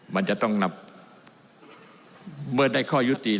มันจะต้องนำบัตรใดข้อยุติแล้ว